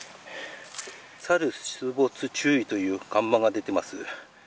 サル出没注意という看板が出てま